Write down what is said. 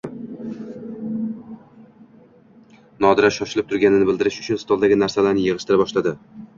Nodira shoshib turganini bildirish uchun stolidagi narsalarini yig`ishtira boshladi